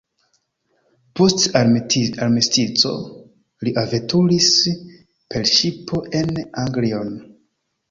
Post armistico li veturis per ŝipo en Anglion.